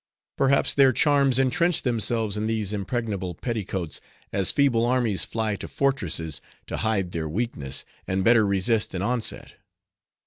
Perhaps their charms intrenched themselves in these impregnable petticoats, as feeble armies fly to fortresses, to hide their weakness, and better resist an onset.